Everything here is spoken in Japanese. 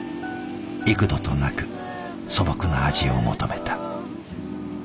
幾度となく素朴な味を求めた。